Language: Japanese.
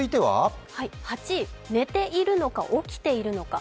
８位、「寝ているのか起きているのか」